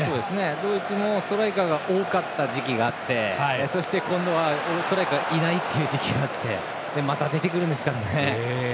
ドイツもストライカーが多かった時期があってそして、ストライカーがいない時期があってまた出てくるんですからね。